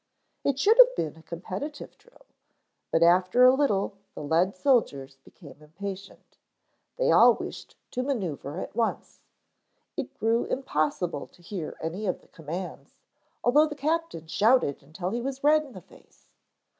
It should have been a competitive drill, but after a little the lead soldiers became impatient. They all wished to manœuvre at once. It grew impossible to hear any of the commands, although the captain shouted until he was red in the face.